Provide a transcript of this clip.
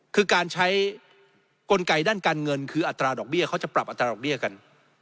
คือการใช้กลไกด้านการเงินคืออัตราดอกเบี้ยเขาจะปรับอัตราดอกเบี้ยกัน